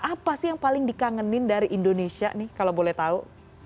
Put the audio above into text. apa sih yang paling dikangenin dari indonesia nih kalau boleh tahu